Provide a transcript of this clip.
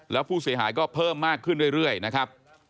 แล้วผู้เสียหายก็เพิ่มมากขึ้นเรื่อยนะครับ